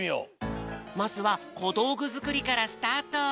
まずはこどうぐづくりからスタート。